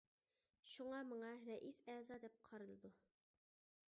شۇڭا، مېڭە، رەئىس ئەزا دەپ قارىلىدۇ.